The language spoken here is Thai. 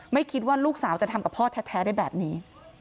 ไม่คิดว่าลูกสาวจะทำกับพ่อแท้ได้แบบนี้